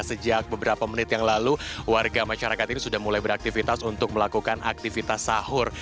sejak beberapa menit yang lalu warga masyarakat ini sudah mulai beraktivitas untuk melakukan aktivitas sahur